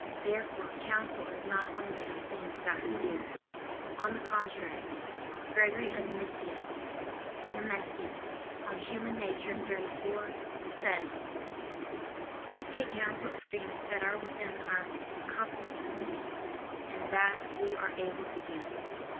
Therefore counsel is not only of things that we do. On the contrary, Gregory of Nyssa [*Nemesius, De Nat. Hom. xxxiv.] says: "We take counsel of things that are within our competency and that we are able to do."